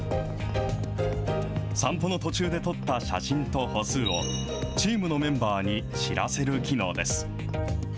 散歩の途中で撮った写真と歩数を、チームのメンバーに知らせる機能です。